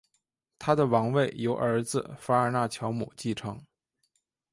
他的王位由儿子法尔纳乔姆继承。